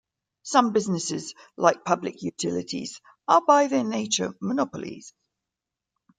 Some businesses, like public utilities, are by their nature monopolies.